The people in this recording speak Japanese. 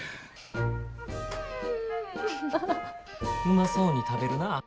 うまそうに食べるなあ。